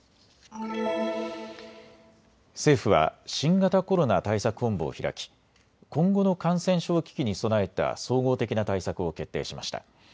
政府は新型コロナ対策本部を開き今後の感染症危機に備えた総合的な対策を決定しました。